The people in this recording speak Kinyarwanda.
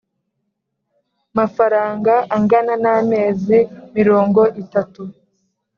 Mafaranga angana n amezi mirongo itatu